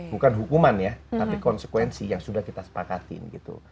bukan hukuman ya tapi konsekuensi yang sudah kita sepakatin gitu